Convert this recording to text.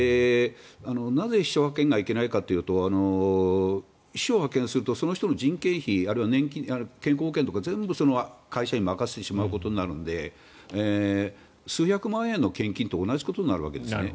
なぜ、秘書派遣がいけないかというとその人の人件費あるいは健康保険とか全部会社に任せてしまうことになるので数百万円の献金と同じことになるわけですね。